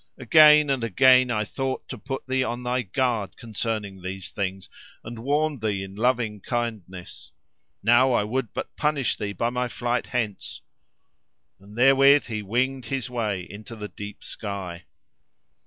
Again and again, I thought to put thee on thy guard concerning these things, and warned thee in loving kindness. Now I would but punish thee by my flight hence." And therewith he winged his way into the deep sky.